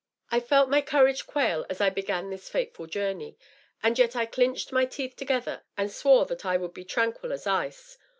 I felt my courage quail as I began this fateful journey. And yet I clinched my teeth together and swore that I would be tranquil as ice.